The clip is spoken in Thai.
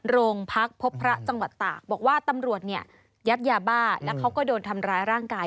โรงพักพบพระจังหวัดตากบอกว่าตำรวจเนี่ยยัดยาบ้าแล้วเขาก็โดนทำร้ายร่างกาย